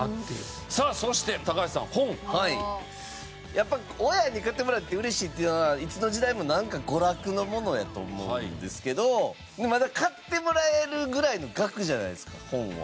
やっぱり親に買ってもらって嬉しいっていうのはいつの時代も娯楽のものやと思うんですけどまた買ってもらえるぐらいの額じゃないですか本は。